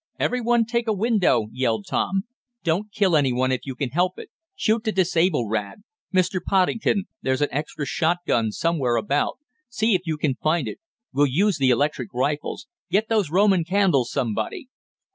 "Everyone take a window!" yelled Tom. "Don't kill any one if you can help it. Shoot to disable, Rad. Mr. Poddington, there's an extra shotgun somewhere about! See if you can find it. We'll use the electric rifles. Get those Roman candles somebody!"